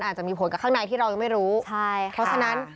ใช่ค่ะเพราะฉะนั้น